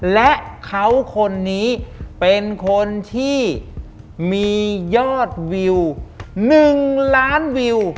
และเขาคนนี้เป็นคนที่มียอดวิว๑ล้านวิว